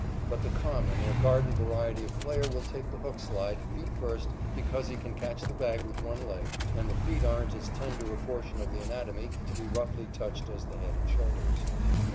But the common or garden variety of player will take the hook slide, feet first, because he can catch the bag with one leg, and the feet aren't as tender a portion of the anatomy to be roughly touched as the head and shoulders.